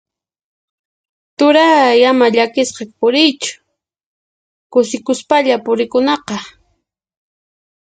Turay ama llakisqa puriychu, kusikuspalla purikunaqa.